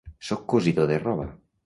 Soc cosidor de roba.